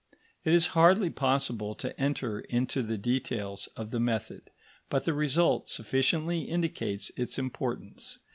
It is hardly possible to enter into the details of the method, but the result sufficiently indicates its importance.